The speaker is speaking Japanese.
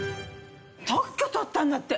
特許取ったんだって！